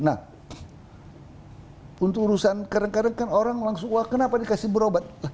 nah untuk urusan kadang kadang kan orang langsung wah kenapa dikasih berobat